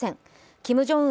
キム・ジョンウン